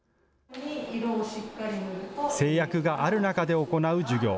制約がある中で行う授業。